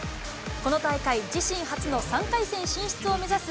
この大会、自身初の３回戦進出を目指す